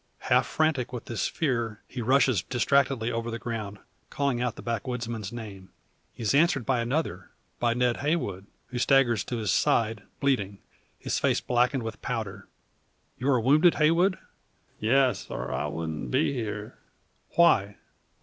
Half frantic with this fear, he rashes distractedly over the ground, calling out the backwoodsman's name. He is answered by another by Ned Heywood, who staggers to his side, bleeding, his face blackened with powder. "You are wounded, Heywood?" "Yes; or I wouldn't be here." "Why?"